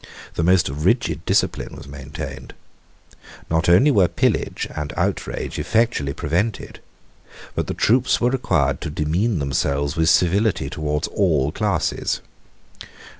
The most rigid discipline was maintained. Not only were pillage and outrage effectually prevented, but the troops were required to demean themselves with civility towards all classes.